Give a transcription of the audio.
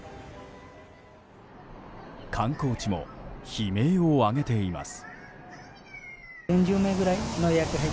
観光地も悲鳴を上げています。